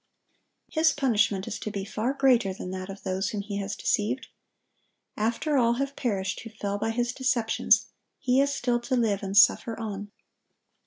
His punishment is to be far greater than that of those whom he has deceived. After all have perished who fell by his deceptions, he is still to live and suffer on.